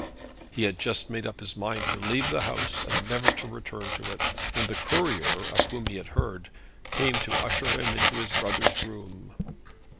He had just made up his mind to leave the house and never to return to it, when the Courier, of whom he had heard, came to usher him into his brother's room.